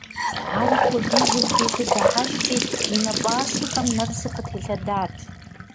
Ар апхуэдизу хуиту дыхьэшхти, и нэ пӀащэхэм нэпсыр къытелъэдат.